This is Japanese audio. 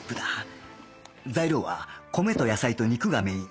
材料は米と野菜と肉がメイン